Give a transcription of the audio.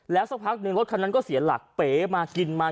แล้วสักพักหนึ่งก็เสียหลักเป๋มากินมา